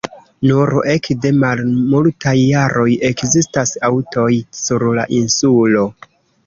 Nur ekde malmultaj jaroj ekzistas aŭtoj sur la insulo.